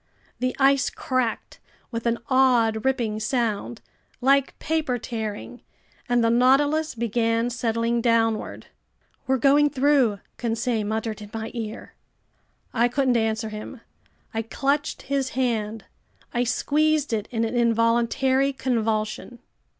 The ice cracked with an odd ripping sound, like paper tearing, and the Nautilus began settling downward. "We're going through!" Conseil muttered in my ear. I couldn't answer him. I clutched his hand. I squeezed it in an involuntary convulsion.